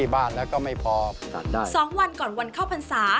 ๒วันก่อนวันข้อปรรสา